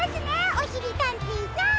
おしりたんていさん。